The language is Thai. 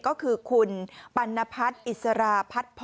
ก็คือคุณปันะพัทรอิสระพัทธพร